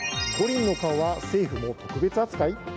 五輪の顔は政府も特別扱い？